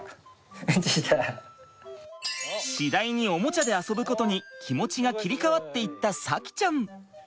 次第におもちゃで遊ぶことに気持ちが切り替わっていった咲希ちゃん。